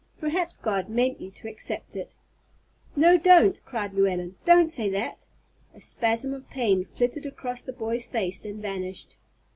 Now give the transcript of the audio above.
Perhaps God meant you to accept it." "No, don't," cried Llewellyn—"don't say that." A spasm of pain flitted across the boy's face, then vanished.